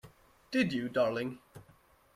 Did you, darling?